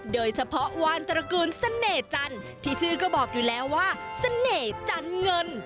โดยเฉพาะวานตระกูลเสน่หจันทร์ที่ชื่อก็บอกอยู่แล้วว่าเสน่ห์จันเงิน